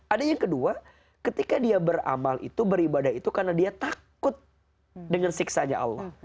ada yang kedua ketika dia beramal itu beribadah itu karena dia takut dengan siksanya allah